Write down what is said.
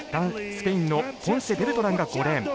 スペインのポンセベルトランが５レーン。